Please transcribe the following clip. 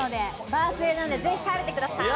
バースデーなのでぜひ食べてください。